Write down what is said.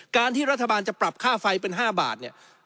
การที่รัฐบาลจะปรับค่าไฟเป็น๕บาทเนี่ย